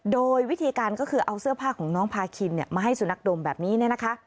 โดยวิธีการก็คือเอาเสื้อผ้าของน้องพาคินมาให้สุนัขดมแบบนี้เนี่ยนะคะ